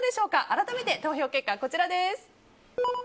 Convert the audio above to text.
改めて投票結果、こちらです。